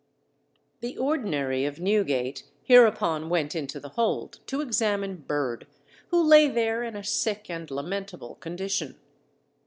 _ The Ordinary of Newgate hereupon went into the hold to examine Bird, who lay there in a sick and lamentable condition.